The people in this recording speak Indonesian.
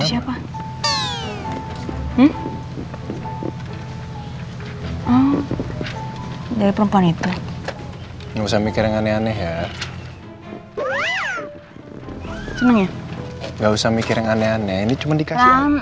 sampai jumpa di video selanjutnya